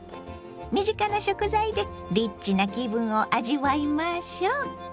身近な食材でリッチな気分を味わいましょう。